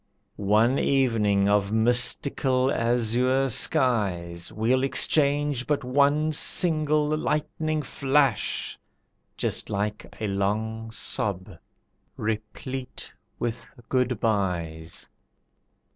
One evening of mystical azure skies, We'll exchange but one single lightning flash, Just like a long sob replete with good byes.